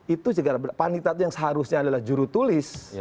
itu panitera yang seharusnya adalah jurutulis